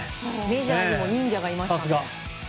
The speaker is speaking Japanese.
メジャーでも忍者がいました。